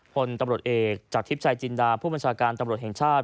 พลตำรวจเอกจากทิพย์ชายจินดาผู้บัญชาการตำรวจแห่งชาติ